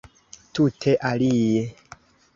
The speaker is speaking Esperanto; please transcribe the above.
Tute alie.